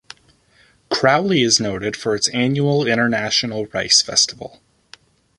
Crowley is noted for its annual International Rice Festival.